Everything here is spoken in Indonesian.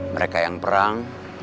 mereka yang perang